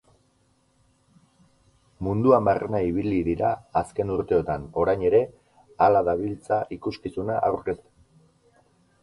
Munduan barrena ibili dira azken urteotan, orain ere hala dabiltza ikuskizuna aurkezten.